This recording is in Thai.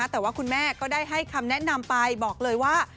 แต่ว่าคุณแม่ก็ได้ให้คำแนะนำไปบอกเลยว่า